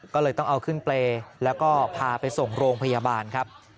ก็เลยต้องเอาขึ้นเปรย์แล้วก็พาไปส่งโรงพยาบาลครับ